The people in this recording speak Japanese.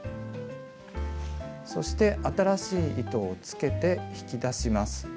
そして新しい糸をつけて引き出します。